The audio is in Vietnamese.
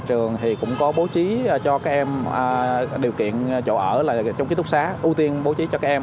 trường thì cũng có bố trí cho các em điều kiện chỗ ở là trong ký túc xá ưu tiên bố trí cho các em